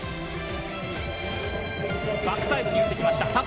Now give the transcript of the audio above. バックサイドに打ってきました。